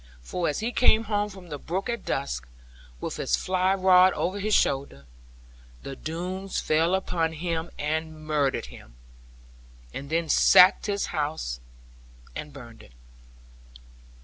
For as he came home from the brook at dusk, with his fly rod over his shoulder, the Doones fell upon him, and murdered him, and then sacked his house, and burned it.